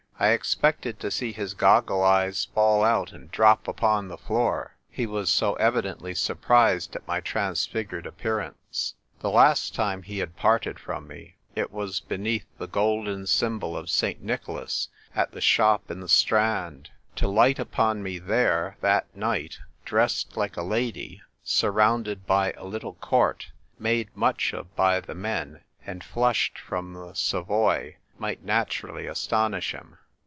I expected to see his goggle eyes fall out and drop upon the floor : he was so evidently surprised at my transfigured appear ance. The last time he had parted from me it was beneath the golden symbol of St. Nicholas at the shop in the Strand ; to light upon me there that night, dressed like a lady, surrounded by a little court, made much of by the men, and flushed from the Savoy, might naturally astonish him.